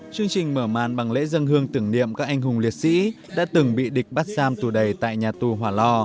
chương trình mở màn bằng lễ dân hương tưởng niệm các anh hùng liệt sĩ đã từng bị địch bắt xam tù đầy tại nhà tù hòa lo